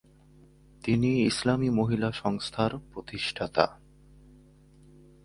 তিনি "ইসলামি মহিলা সংস্থার" প্রতিষ্ঠাতা।